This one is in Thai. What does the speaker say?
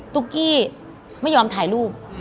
ตุ๊กกี้ไม่ยอมถ่ายรูป